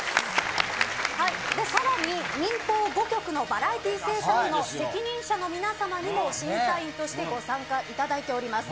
さらに、民放５局のバラエティー制作の責任者の皆さんに審査員としてご参加いただいております。